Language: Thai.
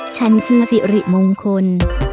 ฉันคือสิริมงคล